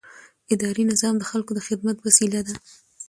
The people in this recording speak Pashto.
اداري نظام د خلکو د خدمت وسیله ده.